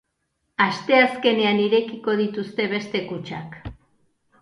Asteazkenean irekiko dituzte beste kutxak.